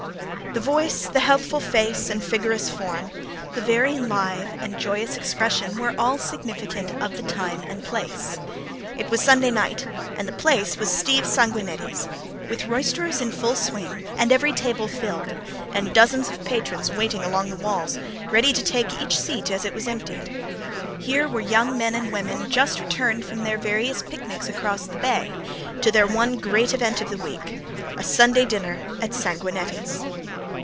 The voice, the healthful face and vigorous form, the very live and joyous expression were all significant of the time and place. It was Sunday night and the place was Steve Sanguinetti's, with roisterers in full swing and every table filled and dozens of patrons waiting along the walls ready to take each seat as it was emptied. Here were young men and women just returned from their various picnics across the Bay to their one great event of the week a Sunday dinner at Sanguinetti's.